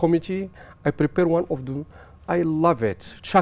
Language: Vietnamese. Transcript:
không rất nặng rất nặng và chúng ta thích nó